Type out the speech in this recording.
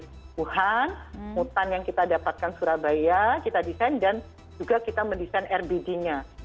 yang dari wuhan mutan yang kita dapatkan surabaya kita desain dan juga kita mendesain rbd nya